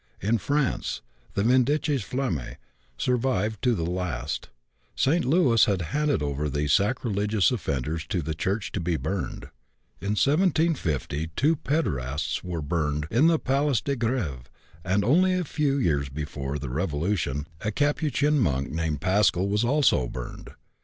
In France the vindices flammæ survived to the last; St. Louis had handed over these sacrilegious offenders to the Church to be burned; in 1750 two pederasts were burned in the Place de Grève, and only a few years before the Revolution a Capuchin monk named Pascal was also burned.